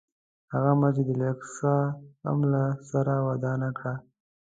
هغه مسجد الاقصی هم له سره ودان کړ.